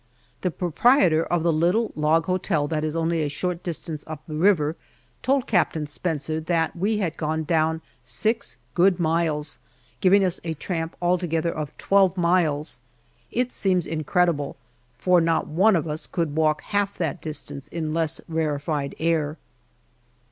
The proprietor of the little log hotel that is only a short distance up the river, told Captain Spencer that we had gone down six good miles giving us a tramp altogether, of twelve miles. It seems incredible, for not one of us could walk one half that distance in less rarefied air.